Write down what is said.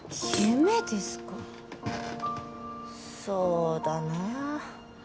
そうだなぁ。